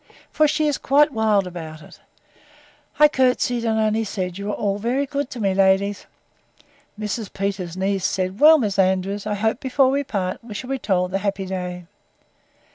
For she is quite wild about it.—I courtesied, and only said, You are all very good to me, ladies.—Mr. Peters's niece said, Well, Miss Andrews, I hope, before we part, we shall be told the happy day.